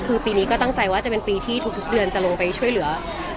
คือปีนี้ก็ตั้งใจว่าจะเป็นปีที่ทุกเดือนจะลงไปช่วยเหลือ